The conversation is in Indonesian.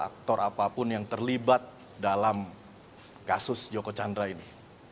aktor apapun yang terlibat dalam kasus joko chandra ini